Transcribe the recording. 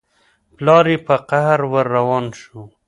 پلار يې په قهر ور روان شو.